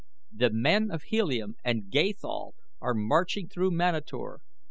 The men of Helium and Gathol are marching through Manator.